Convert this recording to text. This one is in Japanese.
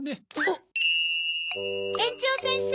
園長先生！